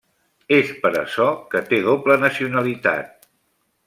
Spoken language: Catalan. És per açò que té doble nacionalitat.